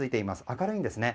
明るいんですね。